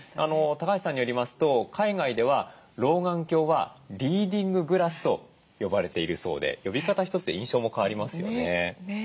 橋さんによりますと海外では老眼鏡はリーディンググラスと呼ばれているそうで呼び方一つで印象も変わりますよね。